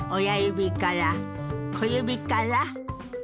親指から小指から。